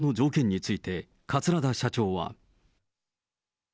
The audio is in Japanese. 欠航の条件について、桂田社長は。